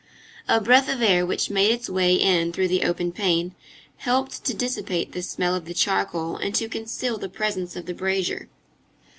A breath of air which made its way in through the open pane, helped to dissipate the smell of the charcoal and to conceal the presence of the brazier.